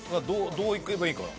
どういけばいいかな？